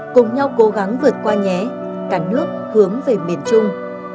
cùng nhau cố gắng vượt qua nhé cả nước hướng về miền trung